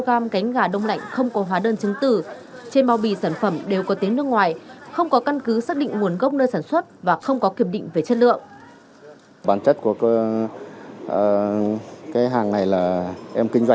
năm g cánh gà đông lạnh không có hóa đơn chứng tử trên bao bì sản phẩm đều có tiếng nước ngoài không có căn cứ xác định nguồn gốc nơi sản xuất và không có kiểm định về chất lượng